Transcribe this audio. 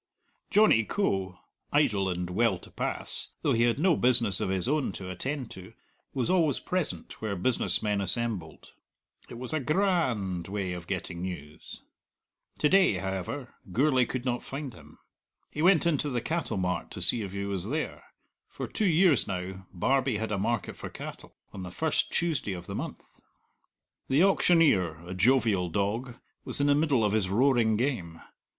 Johnny Coe, idle and well to pass, though he had no business of his own to attend to, was always present where business men assembled. It was a gra and way of getting news. To day, however, Gourlay could not find him. He went into the cattle mart to see if he was there. For two years now Barbie had a market for cattle, on the first Tuesday of the month. The auctioneer, a jovial dog, was in the middle of his roaring game.